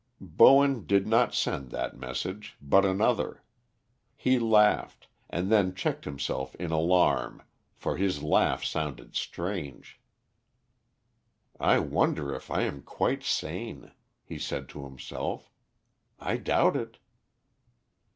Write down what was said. Bowen did not send that message, but another. He laughed and then checked himself in alarm, for his laugh sounded strange. "I wonder if I am quite sane," he said to himself. "I doubt it."